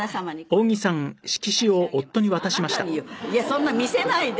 そんな見せないで。